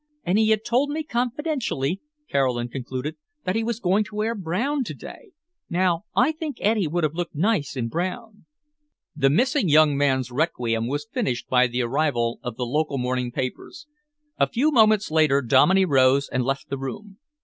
"And he had told me confidentially," Caroline concluded, "that he was going to wear brown to day. Now I think Eddy would have looked nice in brown." The missing young man's requiem was finished by the arrival of the local morning papers. A few moments later Dominey rose and left the room.